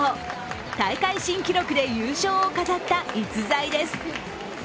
大会新記録で優勝を飾った逸材です。